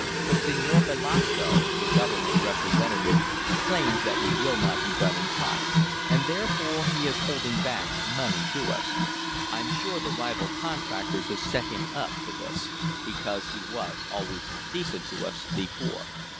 But Senor Belasdo, the government representative, claims that we will not be done in time, and therefore he is holding back money due us. I'm sure the rival contractors have set him up to this, because he was always decent to us before.